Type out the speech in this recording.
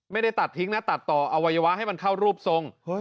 ไม่ได้ตัดทิ้งนะตัดต่ออวัยวะให้มันเข้ารูปทรง